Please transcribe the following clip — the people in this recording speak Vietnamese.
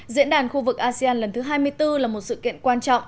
diễn đàn khu vực asean lần thứ hai mươi bốn là một sự kiện quan trọng